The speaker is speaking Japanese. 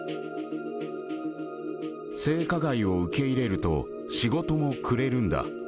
性加害を受け入れると、仕事もくれるんだ。